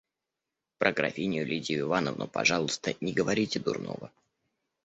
Про графиню Лидию Ивановну, пожалуйста, не говорите дурного.